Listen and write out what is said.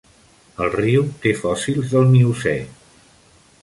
El riu té fòssils del miocè.